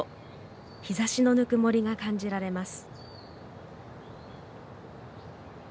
日ざしのぬくもりが感じられます。